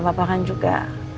papa kan juga